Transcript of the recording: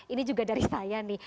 ini juga dari saya nih